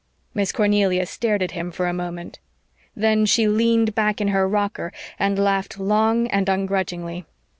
Miss Cornelia stared at him for a moment. Then she leaned back in her rocker and laughed long and ungrudgingly.